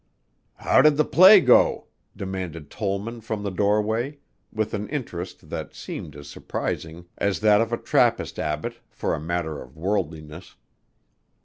"How did the play go?" demanded Tollman from the doorway, with an interest that seemed as surprising as that of a Trappist Abbot for a matter of worldliness.